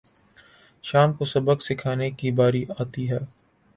شام کو سبق سکھانے کی باری آتی ہے